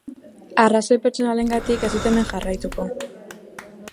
Arrazoi pertsonalengatik ez dut hemen jarraituko.